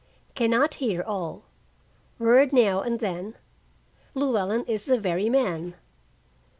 Can not hear all word now and then. "Llewellyn is the very man."